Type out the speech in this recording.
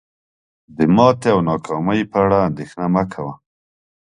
د ماتي او ناکامی په اړه اندیښنه مه کوه